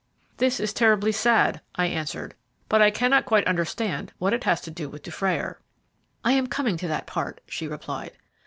"This is terribly sad," I answered, "but I cannot quite understand what it has to do with Dufrayer." "I am coming to that part," she replied.